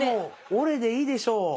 「おれ」でいいでしょう。